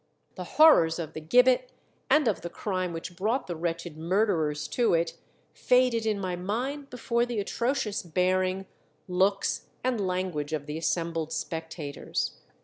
The horrors of the gibbet, and of the crime which brought the wretched murderers to it, faded in my mind before the atrocious bearing, looks, and language of the assembled spectators.